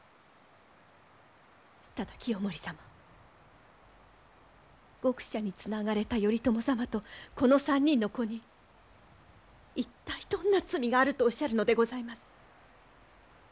ただ清盛様獄舎につながれた頼朝様とこの３人の子に一体どんな罪があるとおっしゃるのでございます？